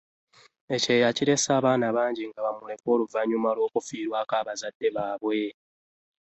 ekyeya kireese abaana bangi nga bbamulekwa oluvanyumama lw'okufiirwako bbazadde babwe